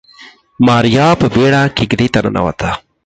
ماريا په بيړه کېږدۍ ته ننوته.